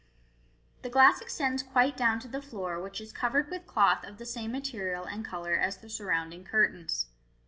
The glass extends quite down to the floor, which is covered with cloth of the same material and colour as the surrounding curtains.